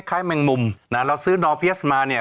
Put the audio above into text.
คล้ายแมงมุมเราซื้อนอร์เพียสมาเนี่ย